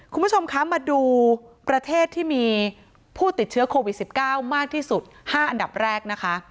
คุณผู้ชมคะมาดูประเทศที่มีผู้ติดเชื้อโควิด๑๙มากที่สุด๕อันดับแรกนะคะ